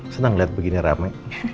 seneng liat begini rame